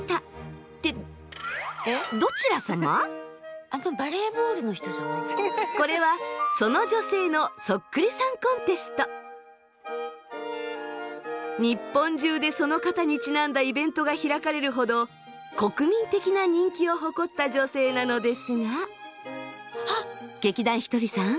ってこれはその女性の日本中でその方にちなんだイベントが開かれるほど国民的な人気を誇った女性なのですが劇団ひとりさん